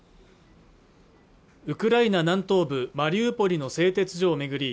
ウクライナ南東部マリウポリの製鉄所を巡り